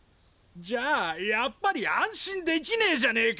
じゃあやっぱり安心できねえじゃねえか！